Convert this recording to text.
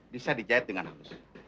bisa dijahit dengan halus